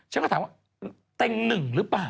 ฉันก็ถามว่าเต็งหนึ่งหรือเปล่า